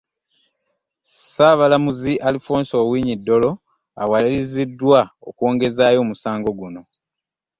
Ssaabalamuzi Alfonse Owiny Dollo awaliriziddwa okwongezaayo omusango guno.